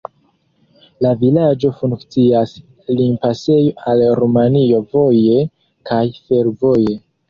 La vilaĝo funkcias limpasejo al Rumanio voje kaj fervoje.